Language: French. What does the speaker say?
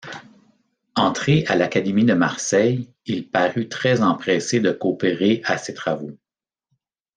Entré à l’Académie de Marseille, il parut très empressé de coopérer à ses travaux.